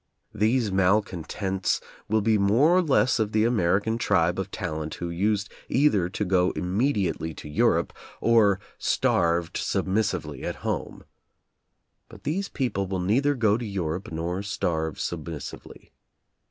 These mal contents will be more or less of the American tribe of talent who used either to go immediately to [ 137] Europe, or starved submissively at home. But these people will neither go to Europe, nor starve submissively.